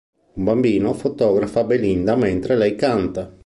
Un bambino fotografa Belinda mentre lei canta.